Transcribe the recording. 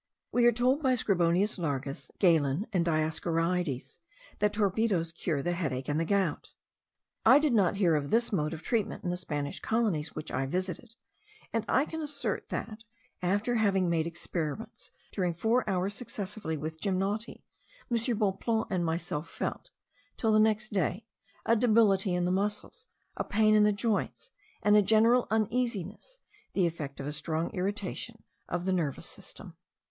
We are told by Scribonius Largus, Galen, and Dioscorides, that torpedos cure the headache and the gout. I did not hear of this mode of treatment in the Spanish colonies which I visited; and I can assert that, after having made experiments during four hours successively with gymnoti, M. Bonpland and myself felt, till the next day, a debility in the muscles, a pain in the joints, and a general uneasiness, the effect of a strong irritation of the nervous system.